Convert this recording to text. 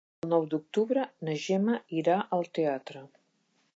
El nou d'octubre na Gemma irà al teatre.